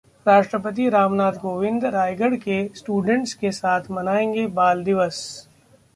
राष्ट्रपति रामनाथ कोविंद रायगढ़ के स्टूडेंट्स के साथ मनाएंगे 'बाल दिवस'